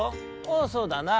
「おおそうだな」。